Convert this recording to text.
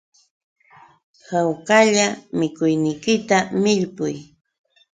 Hawkalla mikuyniykita millpuy